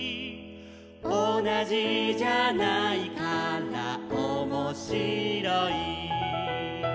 「おなじじゃないからおもしろい」